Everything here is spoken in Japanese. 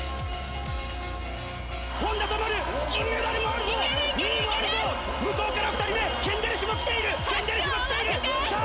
本多灯、金メダルもあるぞ、２位に上がるぞ、向こうから２人目、ケンデレシも来ている、さあ、